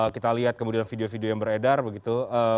kita lihat kemudian video video yang beredar begitu